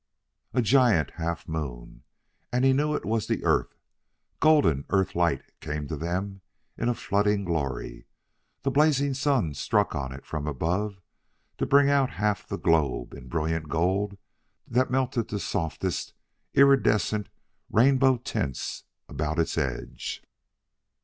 A giant half moon! and he knew it was the Earth. Golden Earth light came to them in a flooding glory; the blazing sun struck on it from above to bring out half the globe in brilliant gold that melted to softest, iridescent, rainbow tints about its edge.